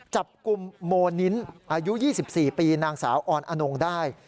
จับกลุ่มโมนินอายุ๒๔ปีนางสาวออนอนงได้